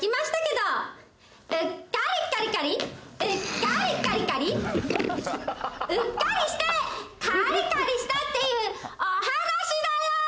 「うっかりカリカリうっかりカリカリ」うっかりしてカリカリしたっていうお話だよ！